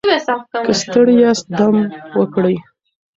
که ستړي یاست دم وکړئ.